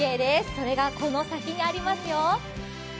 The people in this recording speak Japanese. それがこの先にありますよ。